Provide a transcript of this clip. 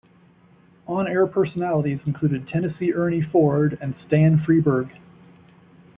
On-air personalities included Tennessee Ernie Ford and Stan Freberg.